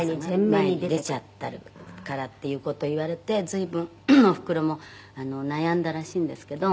「前に出ちゃってるからっていう事を言われて随分おふくろも悩んだらしいんですけど」